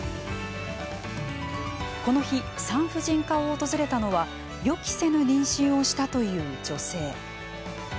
この日、産婦人科を訪れたのは予期せぬ妊娠をしたという女性。